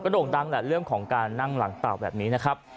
โด่งดังแหละเรื่องของการนั่งหลังเต่าแบบนี้นะครับ